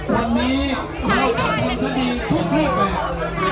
วันนี้พบกับทุกคนทุกคนทุกคน